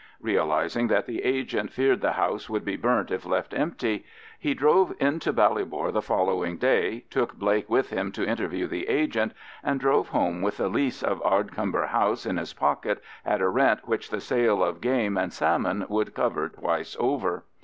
Realising that the agent feared the house would be burnt if left empty, he drove into Ballybor the following day, took Blake with him to interview the agent, and drove home with a lease of Ardcumber House in his pocket, at a rent which the sale of game and salmon would cover twice over.